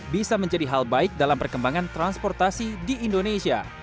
bisa menjadi hal baik dalam perkembangan transportasi di indonesia